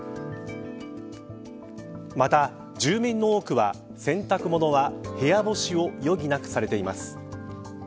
また住民の多くは洗濯物は部屋干しを余儀なくされています。